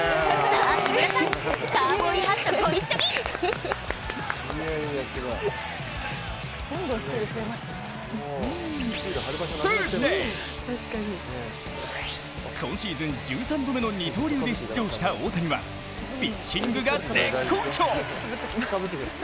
サーズデー、今シーズン１３度目の二刀流で出場した大谷はピッチングが絶好調。